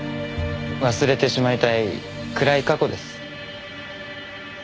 忘れてしまいたい暗い過去です。